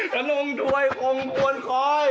ธานงถวยคงควนคลอย